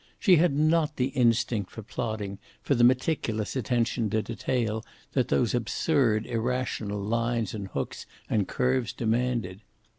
She had not the instinct for plodding, for the meticulous attention to detail that those absurd, irrational lines and hooks and curves demanded.